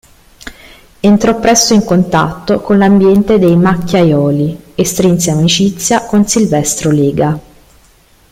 Entrò presto in contatto con l'ambiente dei Macchiaioli e strinse amicizia con Silvestro Lega.